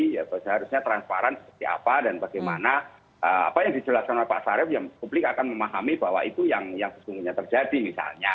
ya seharusnya transparan seperti apa dan bagaimana apa yang dijelaskan oleh pak sarif yang publik akan memahami bahwa itu yang sesungguhnya terjadi misalnya